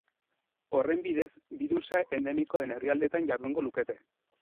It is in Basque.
Horren bidez, birusa endemikoa den herrialdeetan jardungo lukete.